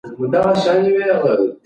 ماشوم د مور له پاملرنې امن احساس کوي.